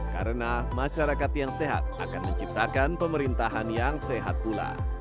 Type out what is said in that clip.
karena masyarakat yang sehat akan menciptakan pemerintahan yang sehat pula